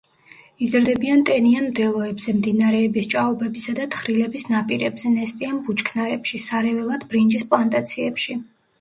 იზრდებიან ტენიან მდელოებზე, მდინარეების, ჭაობებისა და თხრილების ნაპირებზე, ნესტიან ბუჩქნარებში, სარეველად ბრინჯის პლანტაციებში.